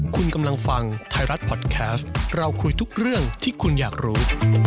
คุณกำลังฟังไทยรัฐพอดแคสต์เราคุยทุกเรื่องที่คุณอยากรู้